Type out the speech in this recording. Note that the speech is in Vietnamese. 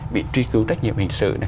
bị truy cứu trách nhiệm hình sự